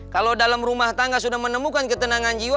kalau dalam rumah tangga sudah menemukan ketenangan jiwa